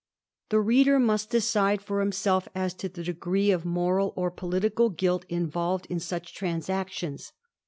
The reader must decide for himself as to the degree of moral or political guUt involved in such transactions.